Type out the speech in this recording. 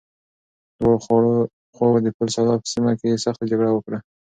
دواړو خواوو د پل سالار په سيمه کې سخته جګړه وکړه.